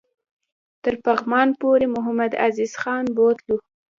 تر پغمان پوري محمدعزیز خان بوتلو.